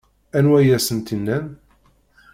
Anwa i asent-innan?